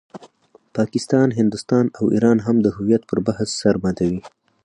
پاکستان، هندوستان او ایران هم د هویت پر بحث سر ماتوي.